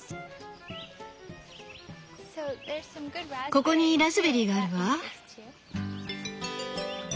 ここにラズベリーがあるわ。